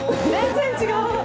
「全然違う！」